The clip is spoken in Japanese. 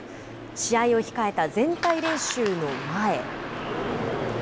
試合を控えた全体練習の前。